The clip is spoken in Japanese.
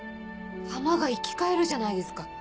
浜が生き返るじゃないですか。